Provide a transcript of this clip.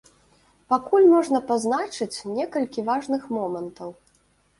Пакуль можна пазначыць некалькі важных момантаў.